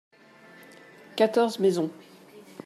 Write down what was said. quatorze maisons.